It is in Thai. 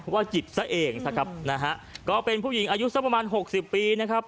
เพราะว่าจิตซะเองซะครับนะฮะก็เป็นผู้หญิงอายุสักประมาณหกสิบปีนะครับ